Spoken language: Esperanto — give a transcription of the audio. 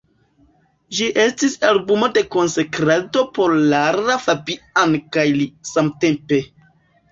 Ĝi estis albumo de konsekrado por Lara Fabian kaj li samtempe.